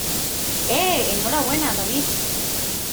¡ eh ! enhorabuena , David .